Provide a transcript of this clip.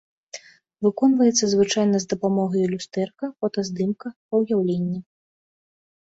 Выконваецца звычайна з дапамогай люстэрка, фотаздымка, па ўяўленні.